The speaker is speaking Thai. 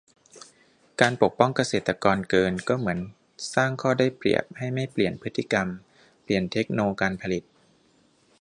การปกป้องเกษตรกรเกินก็เหมือนสร้างข้อได้เปรียบให้ไม่เปลี่ยนพฤติกรรม เปลี่ยนเทคโนการผลิต